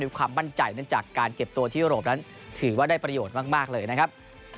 ความมั่นใจเนื่องจากการเก็บตัวที่ยุโรปนั้นถือว่าได้ประโยชน์มากเลยนะครับ